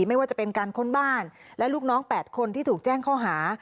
ไม่ว่าจะเป็นการค้นบ้านและลูกน้อง๘คนที่ถูกแจ้งข้อหา